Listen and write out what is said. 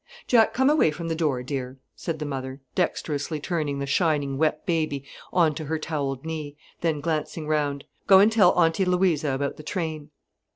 "Jack, come away from the door, dear," said the mother, dexterously turning the shiny wet baby on to her towelled knee, then glancing round: "Go and tell Auntie Louisa about the train."